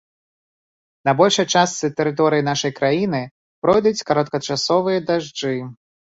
На большай частцы тэрыторыі нашай краіны пройдуць кароткачасовыя дажджы.